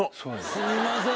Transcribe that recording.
すみません！